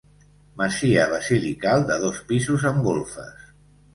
Masia basilical de dos pisos amb golfes.